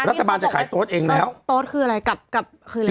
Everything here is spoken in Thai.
รัฐบาลจะขายโต๊ะเองแล้วโต๊ะคืออะไรกับกับคืออะไร